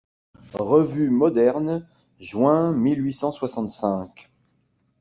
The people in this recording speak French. REVUE MODERNE, juin mille huit cent soixante-cinq.